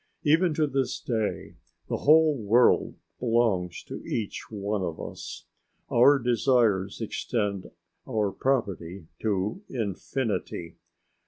Even to this day the whole world belongs to each one of us. Our desires extend our property to infinity.